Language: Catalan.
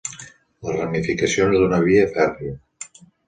Les ramificacions d'una via fèrria.